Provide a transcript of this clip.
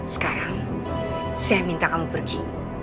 sekarang saya minta kamu pergi